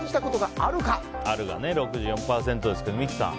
あるが６４％ですが、三木さん。